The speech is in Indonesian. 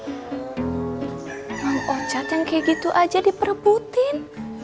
memang ocat yang kayak gitu aja diperbutin